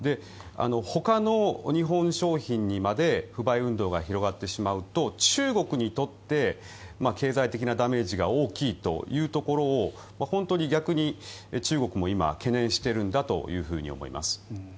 ほかの日本商品にまで不買運動が広がってしまうと中国にとって経済的なダメージが大きいというところを本当に逆に中国も今懸念してるんだと思います。